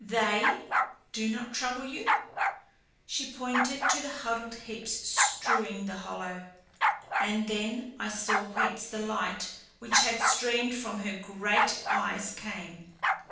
"THEY do not trouble you?" She pointed to the huddled heaps strewing the hollow. And then I saw whence the light which had streamed from her great eyes came.